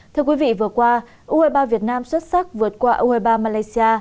thưa quý vị vừa qua u hai mươi ba việt nam xuất sắc vượt qua u hai mươi ba malaysia